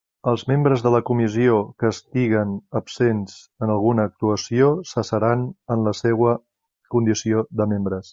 Els membres de la comissió que estiguen absents en alguna actuació cessaran en la seua condició de membres.